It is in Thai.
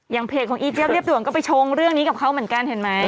เพจของอีเจี๊ยเรียบด่วนก็ไปชงเรื่องนี้กับเขาเหมือนกันเห็นไหม